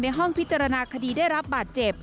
ห้องพิจารณาคดีได้รับบาดเจ็บ